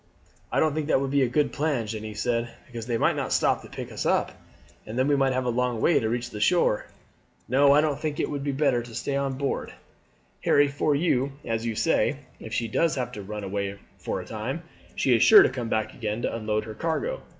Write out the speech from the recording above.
"I don't think that would be a good plan," Jeanne said; "because they might not stop to pick us up, and then we might have a long way to reach the shore. No, I think it will be better to stay on board, Harry; for, as you say, if she does have to run away for a time, she is sure to come back again to unload her cargo.